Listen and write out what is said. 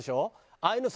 ああいうのさ